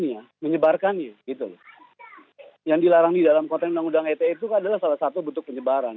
jadi peredarannya menyebarkannya gitu yang dilarang di dalam konten undang undang eta itu adalah salah satu bentuk penyebaran